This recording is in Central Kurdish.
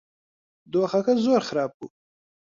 دۆخەکە زۆر خراپ بوو.